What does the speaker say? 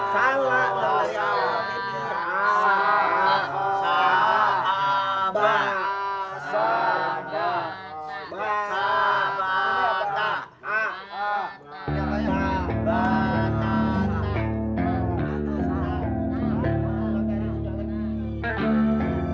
saya mem paralyasi sekalian untuk